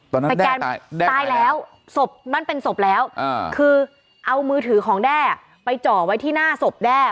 แต่แกตายแล้วศพนั้นเป็นศพแล้วคือเอามือถือของแด้ไปจ่อไว้ที่หน้าศพแด้